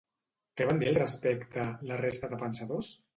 Què van dir al respecte, la resta de pensadors?